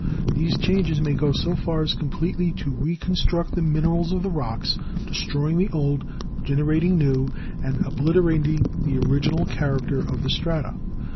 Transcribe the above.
These changes may go so far as completely to reconstruct the minerals of the rocks, destroying the old, generating new, and ob literating the original character of the strata.